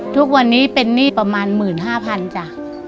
ทุกวันนี้เป็นหนี้ประมาณ๑๕๐๐๐จ้ะ